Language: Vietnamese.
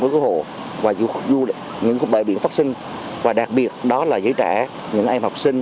cứu hộ và những bãi biển phát sinh và đặc biệt đó là giới trẻ những em học sinh